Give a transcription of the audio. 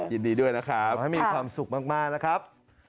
ยินดีด้วยนะครับให้มีความสุขมากนะครับ